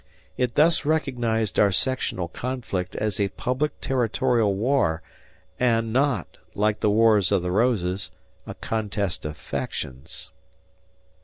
It thus recognized our sectional conflict as a public territorial war and not, like the Wars of the Roses, a contest of factions.